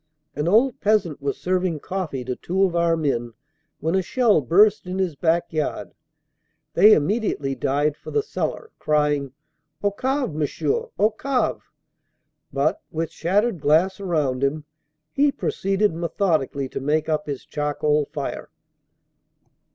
An old peasant was serving coffee to two of our men when a shell burst in his backyard. They immediately dived for the cellar, crying, "Au cave, Monsieur, au cave!" But, with shattered glass around him, he proceeded methodically to make up his charcoal fire.